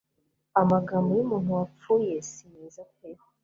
Amagambo y'umuntu wapfuye simeza pe